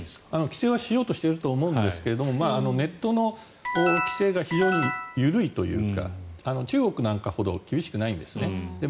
規制はしようとしていると思うんですがネットの規制が非常に緩いというか中国なんかほど厳しくないんですね。